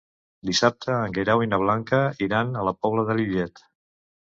Dissabte en Guerau i na Blanca iran a la Pobla de Lillet.